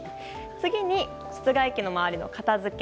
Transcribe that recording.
次に、室外機の周りの片付け。